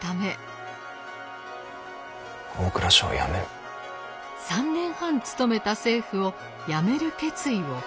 ３年半勤めた政府を辞める決意を固めました。